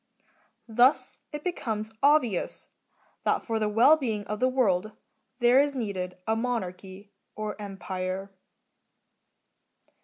Thus it becomes obvious that for the well being of the world there is needed a Monarchy, or Empire.